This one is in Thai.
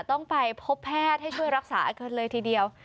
ต้องไปพบแพทย์ให้ช่วยรักษาอาการเลยทีเดียว